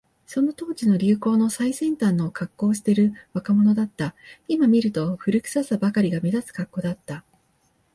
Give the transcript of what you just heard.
その当時の流行の最先端のカッコをしている若者だった。今見ると、古臭さばかりが目立つカッコだった。